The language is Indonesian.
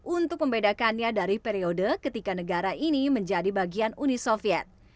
untuk membedakannya dari periode ketika negara ini menjadi bagian uni soviet